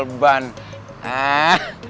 tukang tambal ban